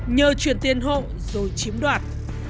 nhờ chuyển tiền hộ rồi chiếm đoạt